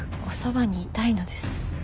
おそばにいたいのです。